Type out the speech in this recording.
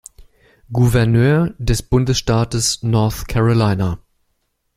Gouverneur des Bundesstaates North Carolina.